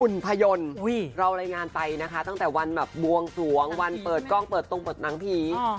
คุณพยนตร์เรารายงานไปนะคะตั้งแต่วันแบบบวงสวงวันเปิดกล้องเปิดตรงเปิดหนังผี